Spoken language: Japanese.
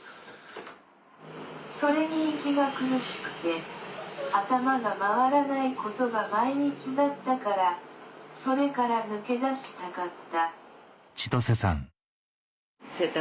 それに息が苦しくて頭が回らないことが毎日だったからそれから抜け出したかった。